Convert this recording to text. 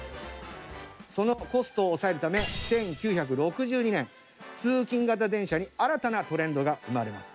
そのコストを抑えるため１９６２年通勤形電車に新たなトレンドが生まれます。